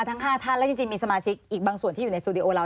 ทั้ง๕ท่านและจริงมีสมาชิกอีกบางส่วนที่อยู่ในสตูดิโอเรา